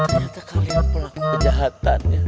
ternyata kalian pelaku kejahatannya